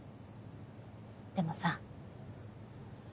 でもさ。